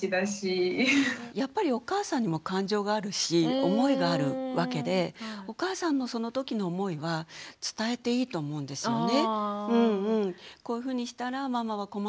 やっぱりお母さんにも感情があるし思いがあるわけでお母さんのその時の思いは伝えていいと思うんですよね。